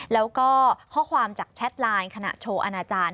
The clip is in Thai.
แล้วก็ข้อความจากแชทไลน์ขณะโชว์อาณาจารย์